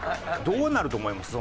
どうなると思います？